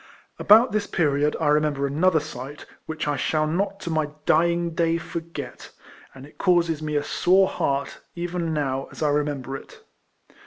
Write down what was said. About this period I remember another sight, which I shall not to my dying day forget; and it causes me a sore heart, even now, as I remember it.